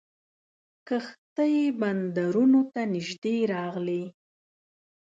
کښتۍ بندرونو ته نیژدې راغلې.